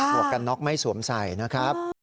วกกันน็อกไม่สวมใส่นะครับ